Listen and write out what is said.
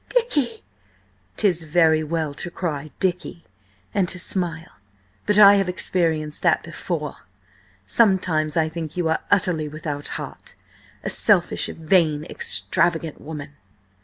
"Dicky!" "'Tis very well to cry 'Dicky,' and to smile, but I have experienced that before. Sometimes I think you are utterly without heart!–a selfish, vain, extravagant woman!"